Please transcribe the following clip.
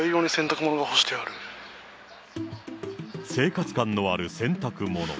生活感のある洗濯物。